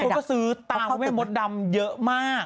คนก็ซื้อตามแม่มดดำเยอะมาก